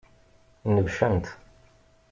Nebcen-t.